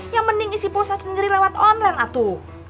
ya mending isi pulsa sendiri lewat online atu